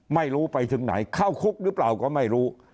ไม่รู้ไปถึงไหนเข้าคุกหรือเปล่าก็ไม่รู้